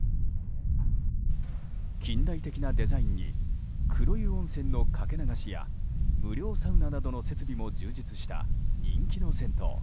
近代的なデザインに黒湯温泉のかけ流しや無料サウナなどの設備も充実した人気の銭湯。